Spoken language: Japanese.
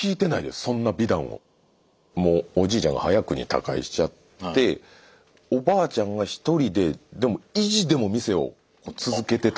もうおじいちゃんが早くに他界しちゃっておばあちゃんが１人ででも意地でも店を続けてたんですよ。